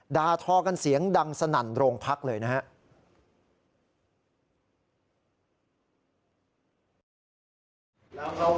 ดาทอกันเสียงดังสนั่นโรงพักเลยนะครับ